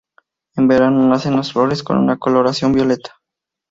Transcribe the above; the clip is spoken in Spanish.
En verano nacen las flores con una coloración violeta.